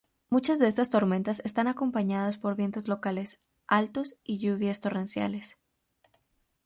Muchas de estas tormentas están acompañadas por vientos locales altos y lluvias torrenciales.